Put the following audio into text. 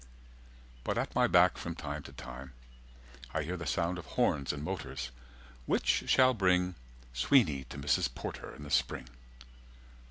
But at my back from time to time I hear The sound of horns and motors, which shall bring Sweeney to Mrs. Porter in the spring.